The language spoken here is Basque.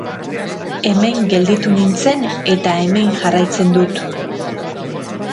Hemen gelditu nintzen, eta hemen jarraitzen dut.